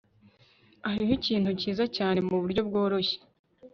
Hariho ikintu cyiza cyane muburyo bworoshye